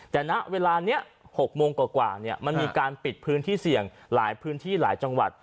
แต่ณเวลานี้๖โมงกว่ามันมีการปิดพื้นที่เสี่ยงหลายพื้นที่หลายจังหวัด